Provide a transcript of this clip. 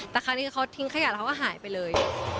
แต่ครั้งนี้เขาทิ้งขยะแล้วก็หายไปเลย